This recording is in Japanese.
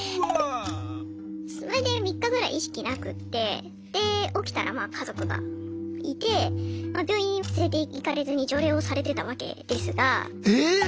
それで３日ぐらい意識なくってで起きたらまあ家族がいて病院に連れていかれずに除霊をされてたわけですが。